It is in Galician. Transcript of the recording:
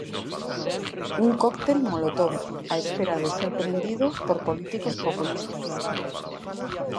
Un cóctel molotov, á espera de ser prendido por políticos populistas.